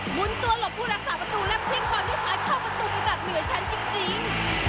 หุนตัวหลบผู้รักษาประตูและพลิกบอลด้วยซ้ายเข้าประตูไปแบบเหนือชั้นจริง